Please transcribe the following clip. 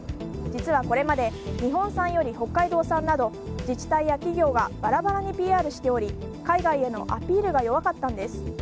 実はこれまで日本産より北海道産など自治体や企業がバラバラにＰＲしており海外へのアピールが弱かったんです。